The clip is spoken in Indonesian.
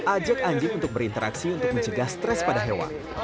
ajak anjing untuk berinteraksi untuk mencegah stres pada hewan